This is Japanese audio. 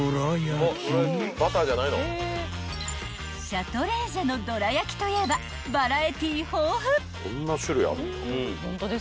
［シャトレーゼのどらやきといえばバラエティー豊富］